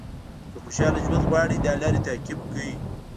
که خوشاله ژوند غواړئ دا لارې تعقیب کړئ.